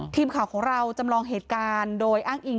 ทีมข่าวของเราจำลองเหตุการณ์โดยอ้างอิง